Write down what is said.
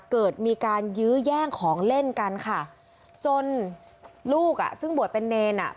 เกิดมีการยื้อแย่งของเล่นกันค่ะจนลูกอ่ะซึ่งบวชเป็นเนรอ่ะ